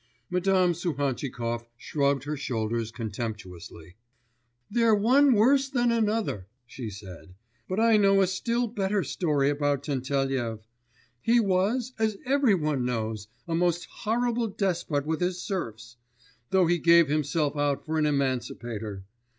Madame Suhantchikov shrugged her shoulders contemptuously. 'They're one worse than another,' she said, 'but I know a still better story about Tentelyev. He was, as every one knows, a most horrible despot with his serfs, though he gave himself out for an emancipator.